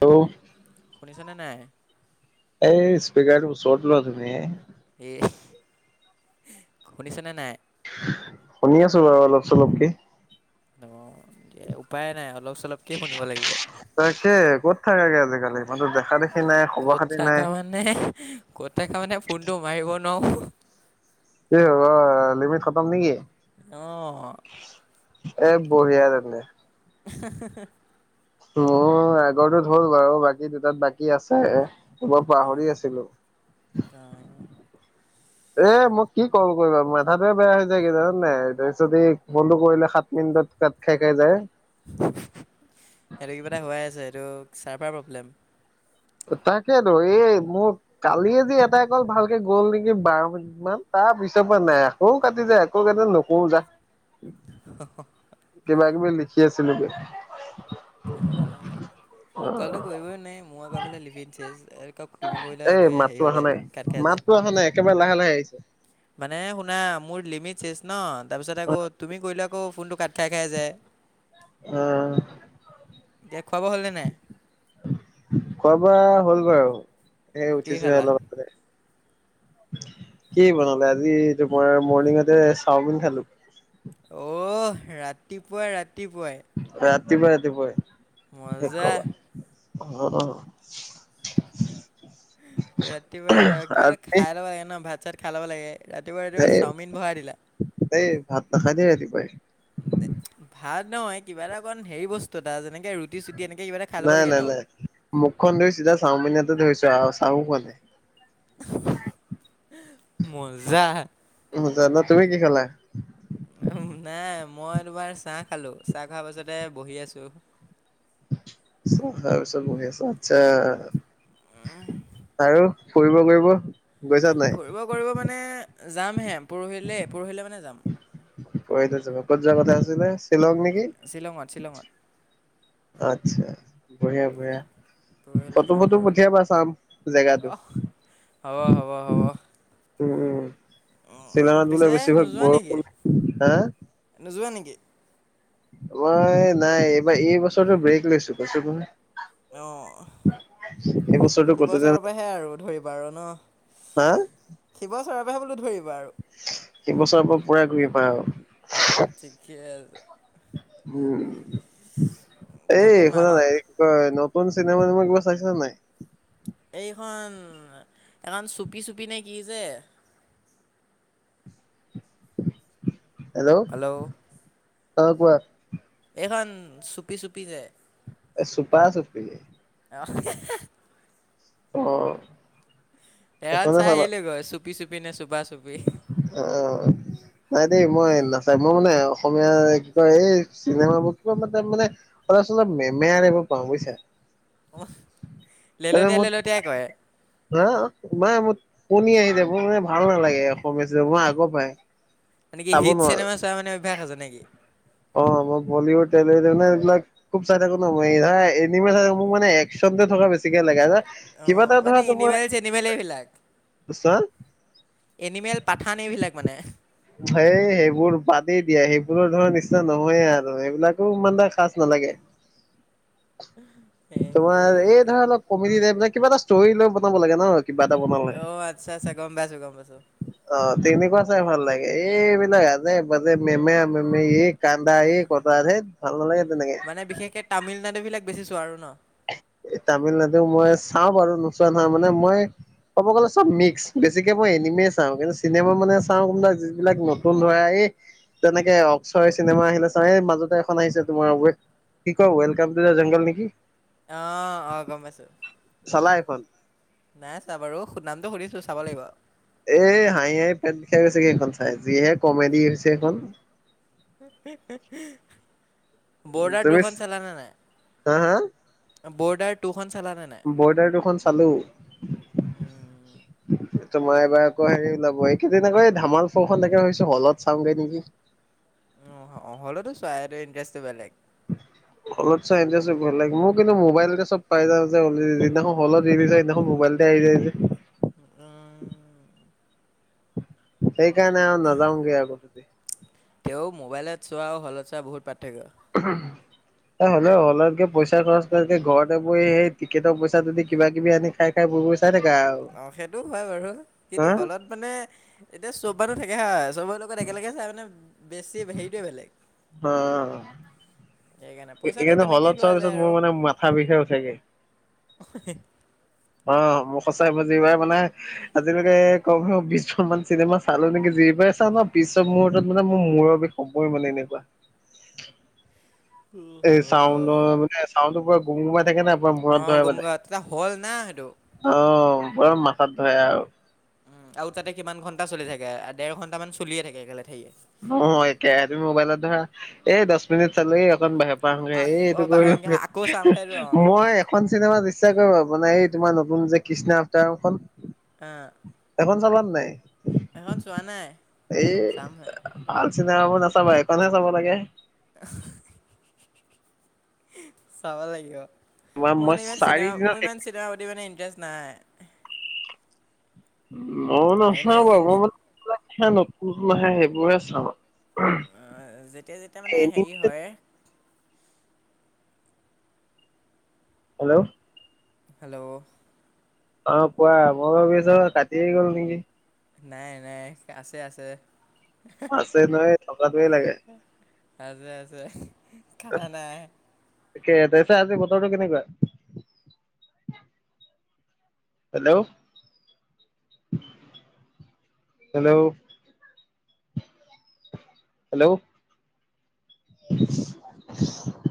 তৌ ছেনে নাই। এই স্পিকাৰটো ওচৰত লোৱা তুমি। এ শুনিছেনে নাই? শুনি আছো বাৰু অলপ চলপকে। উপায়ে নাই এহত। তাকে, ক'ত থাকাগে আজিকাল- কত থাকা মানে ক'ত থাকা মানে ফোনটো মাৰিব- নহো এ হ'বা লিমিট খতম নেকি? অহ। এই বঢ়িয়া তেন্তে। [unintelligible] মোৰ আগৰটোত হ'ল বাৰু, বাকী দুটাত বাকী আছে। কব পাহৰি আছিলো। এ মোক কি কল কৰিবা, মেথাতোয়ে বেয়া হৈ যায় কি জানা নাই, তাৰপিছত ফোনটো কৰিলে সাত মিনিট, কুনদত কাত খাই খাই যায়। সেইটো কিবা এটা হোৱাই আছে, এইটো চাৰফাৰ প্ৰব্লেম। তাকেটো, এ মোৰ কালিয়ে যি এটাই কল ভালকে গ'ল নেকি বাৰ মিনিটমান। তাৰ পিছৰ পৰা নাই, আকৌ কাটি যায়, আকৌ কাটে নকৰো যা। হ হ। কিবা কিবি লিখি আছিলো গে। থেয়া কলটো কৰিবই নোৱাই, মোৰ আকৌ এইপিনে লিপ [unintelligible] ক তুমি কৰিলে আকৌ হেৰি কাত খাই যে। ন একেবাৰে লাহে লাহ- মানে শুনা মোৰ লিমিট শেচ ন, তাৰপিছত আকৌ তুমি কৰিলে আকৌ ফোনটো- কাট খাই খাই যায় অহ। খোৱা বোৱা হ'লনে নাই? খোৱা বোৱা হ'ল বাৰু, এই কি উঠিছোহে খালা অলপ আগতে। কি বনালে আজি তোমাৰ মৰ্নিগতে চাওমিন খালো। অহ ৰাতিপুৱাই ৰাতিপুৱাই। ৰাতিপুৱাই ৰাতিপুৱাই। কি মজা। কবা অ অ। ৰাতিপুৱাই ৰাতিপুৱাই কিবা এটা আজি খাই লব লাগে ন, ভাত চাত খাই ল'ব লাগে। ৰাতিপুৱা ৰাতিপুৱা এই চাওমিন ভৰাই দিলা। এই ভাত নাখাই দেই ৰাতিপুৱাই। ভাত ন কিবা এটা অকমান হেৰি বস্তু এটা যেনেক- নাই, নাই, নাই মুখখন ধুই চিধা- চাওমিন তে ধৰিছো আও, চাও খোৱা নাই। মজা। জানা তুমি কি খালা? উ, নাই। মই তোমাৰ চাহ খালো। চাহ খোৱা পাছতে বহি আছো। চাহ খাই পিছত বহি আছে, আচ্ছা। আৰু ফুৰিব কৰিব গৈছা নাই? ফুৰিব কৰিব মানে যাম হে। পৰহিলে, পৰহিলে মানে যাম। পৰহিলে যাবা? ক'ত যোৱা কথা আছিলে? শ্বিলং শ্বিলঙত, শ্বিলঙত। আটছা, বঢ়িয়া বঢ়িয়া। পৰহিলে ফটো যাম ফটো আৰু। পঠিয়াবা চাম জেগাটো অহ হ'ব, হ'ব, হ'ব। উম, উম শ্বিলঙত বোলে পিছে বেছিভাগ নোযোৱা নেকি বৰষুণ, হা? [unintelligible] মই নাই। এইবাৰ এই বছৰটো ব্ৰেক লৈছো, কৈছো নহয়। অ। এই বছৰটো কতো যোৱা সিবছৰৰ নাই পৰাহে আৰু ধৰিবা আৰু ন? হা সিব ৰ পৰাই বোলো ধৰিবা আৰু। সিবছৰৰ পৰা পূৰা ঘূৰিম আৰু। ঠিকেই আছে। হুম, ক'ত এই গ'ল শুনা মাহঁত নাই [unintelligible] ন? নতুন চিনেমা কিবা চাইছা নে নাই? এইখন, এখন চুপি চুপি নে কি যে। Hello hello. অ, কোৱা। সেইখন চুপি চুপি যে। এ চুপা চুপি। [unintelligible] অ। এয়াত সেইখনে চাই চাবা আহিলেগৈ চুপি চুপি নে চুপা চুপি? অ নাই দেই মই নাচাই মই মানে অসমীয়া একদম এই চিনেমাবোৰ কিবা মতাব মানে অলপ চলপ মেমোৰ এইবোৰ পাওঁ বুজিছা। অহ লেলতিয়াই লেলতিয়াই কৰে। না তোমাৰ টো পনী আহি যাব। মানে ভাল নালাগে অসমীয়া চিনেমা, মই আগ পাই। মানে কি হিট চিনেমা চোৱাৰ মানে অভ্যাস আছে নে কি? অ মই বলিউডে [unintelligible] এইবিলাক খুব চাই থাকো ন মই। [unintelligible] এনিমে চাই থাকো মানে একচন থকা বেছিকে লাগে না? অ, মানে এনিমেল-চেনিমেল এইবিলাক। চোৱা এনিমেল পাঠান এইবিলাক মানে। সেই সেইবোৰ বাদেই দিয়া। সেইবোৰৰ ধৰা নিচিনা নহয়ে আৰু সেইবিলাকো ইমান এটা খাছ ন লাগে। তোমাৰ এই ধৰা অলপ কমেডি টাইপ [unintelligible] কিবা এটা ষ্টৰি লৈ বনাব লাগে ন? কিবা এটা বনাব লাগে। অ' আচ্ছা আচ্ছা গম পাইছোঁ গম পাইছোঁ অ। তেনেকুৱা চাই ভাল লাগে। এইবিলাক আজে-বাজে মেমেৰা-মেমেৰি এই কান্দা এই কটা ধেৎ ভাল নালাগে। তেনেকে। মানে বিশেষকে তামিলনাডুবিলাক বেছি চোৱা আৰু ন? এহ তামিলনাডু মই চাওঁ বাৰু, নোচোৱা নহয়। মানে মই ক'ব গ'লে চব মিক্স। বেছিকে মই এনিমেই চাওঁ। কিন্তু চিনেমা মানে চাওঁ কোনবিলাক যিবিলাক নতুন ধৰা এই তেনেকে অকচৰে চিনেমা আহিলে চাও। এ মাজতে এখন আহিছে তোমাৰ ৱে কি কয় ৱেলকাম টু দা জংগল নেকি? অ, অ গম পাইছোঁ। ফান নাই চোৱা বাৰু সু- নামটো সুধিছোঁ চাব লাগিব এ হাঁহি হাঁহি পেট বিষাই গৈছেগে সেইখন এ যিহে কমেডি হৈছে সেইখন। বৰ্ডাৰ তুমি দুখন চলানে নাই? হা হা। ব'ৰ্ডাৰ টো। বৰ্ডাৰ টো খন চালো। উম, তোমাৰ এবাৰ আকৌ হেৰি ওলাব এইকেই দিন ধামাল ফৌৰখন দেখা হৈছোঁ হলত চাওঁগে নেকি? অ হ'লেতো চাই ইনৰ্টেজ বেলেগ [unintelligible] হলত চাই ইনৰ্টেজ বেলেগ মোৰ কিন্তু মোবাইলতে এ চব পাই যাওঁ যে অলৰেদি যিদিনাখন হলত ৰিভি যায় সেইদিনাখন মোবাইল দেই যায় যে [unintelligible] সেইকাৰণে আৰু নাযাওগে আও কটি তেওঁ মোবাইলত চোৱা হলচোৱা বহুত পা- উহম এ হেল্ল হলত গে পইচা খৰচ তকে ঘৰতে বোৰ সেই টিকেটৰ পইচা যদি কিবা কিবি আনি খাই খাই ব- অ সেইটো হয় বাৰু কিন্তু হা হলত মানে এতিয়া চৌপাটো থাকে হা। টময় লগত একেলগে চাই মানে বেছি হেৰিটোৱে বেলেগ। পইচাটো সেইকাৰণে তেনেকেই হলদ লোৱা চোৱাৰ যায় পিছত মোৰ আৰু মানে মাথা বিষে উঠেগে। [unintelligible] অ মোৰ সঁচাই মই যিবোৰ মানে আজিলৈকে কম বিশজন মান চিনেমা চালো নেকি যি দিপ্ৰেচনৰ পিছৰ মহূৰ্তত মানে মোৰ মূৰৰ বিষ সময় মানে এনেকুৱা। এই চাউনৰ মানে চাউণ্ডৰ পুৰা গুম গুমাই থাকে না। বৰ মূৰত অঁ ধৰে গম মানে গা তেতিয়া হল না সেইটো অহ বৰ মাথাত ধৰে আও। আও তাতে কিমান ঘণ্টা চলি থাকে, দেৰ ঘণ্টামান চলিয়ে থাকে একেলেঠেই। অ একেৰাহে তুমি মোবাইলত ধৰা এই দহ মিনিট চালে অকণ বাহিৰ পাৰ হ'বৈয়া এই আকৌ এইটো কৰি বাহিৰত গৈ আকৌ চাম সেইটো অ গে মই এখন চিনেমাত বিশ্বাস কৰিব আপোনাৰ এই তোমাৰ নতুন যে কৃষ্ণ আফটাৰখন সেইখন চালা নাই। সেখন চোৱা নাই। এ চামহে ভাল চিনেমাবোৰ নাচাবা, এইখনহে চাব লাগে। [unintelligible] চাব লাগিব, তোমাৰ মোৰ মই মানে ইমান চাৰি চিনেমা দিনত মোৰ শেষ ইমান চিনেমা প্ৰতি মানে ইনৰ্টেজ নাই। অঁ এনেই নাচাওঁ যোন বাৰু মই মানে [unintelligible] নতুন আহে সেইবোৰে চাওঁ। অ যেতিয়া যেতিয়া মানে হেৰি এনিমেটেড হয়। হেল্ল' হেল্ল' অ কোৱা মই ভাবি আছো কাটি গ'ল নেকি। নাই নাই আছে আছে। আছে নহয় থকাটোৱে লাগে। আছে আছে কথা নাই। তাকে দেছ বতৰটো কেনেকুৱা? Hello hello hello [inaudible]